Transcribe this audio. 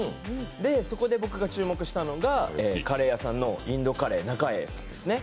そこで僕が注目したのがカレー屋さんのインドカレー、中栄さんですね。